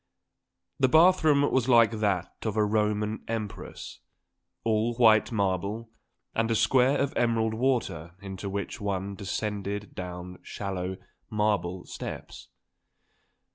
The bath room was like that of a Roman Empress, all white marble, with a square of emerald water into which one descended down shallow marble steps.